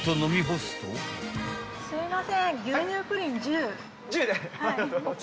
すいません。